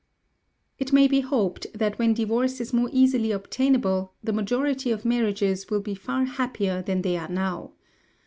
It may be hoped that when divorce is more easily obtainable, the majority of marriages will be far happier than they are now.